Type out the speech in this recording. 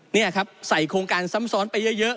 นี่ครับใส่โครงการซ้ำซ้อนไปเยอะ